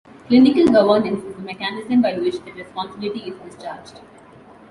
Clinical governance is the mechanism by which that responsibility is discharged.